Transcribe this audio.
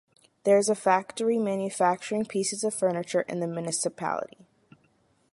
There is a factory manufacturing pieces of furniture in the municipality.